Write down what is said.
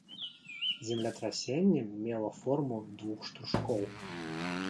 Землетрасенне мела форму двух штуршкоў.